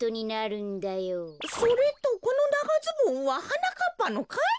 それとこのながズボンははなかっぱのかい？